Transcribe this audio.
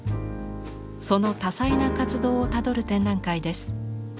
その多彩な活動をたどる展覧会です。